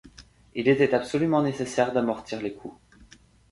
Il était absolument nécessaire d’amortir les coups.